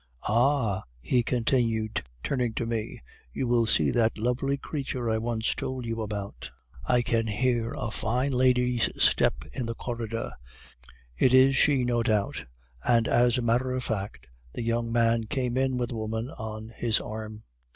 "'Ah!' he continued, turning to me, 'you will see that lovely creature I once told you about; I can hear a fine lady's step in the corridor; it is she, no doubt;' and, as a matter of fact, the young man came in with a woman on his arm.